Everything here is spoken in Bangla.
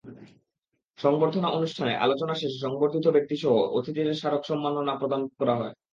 সংবর্ধনা অনুষ্ঠানে আলোচনা শেষে সংবর্ধিত ব্যক্তিসহ অতিথিদের সম্মাননা স্মারক প্রদান করা হয়।